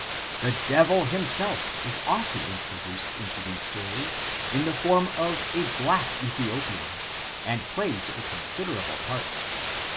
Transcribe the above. The Devil himself is often introduced into these stories in the form of a black Ethiopian, and plays a considerable part.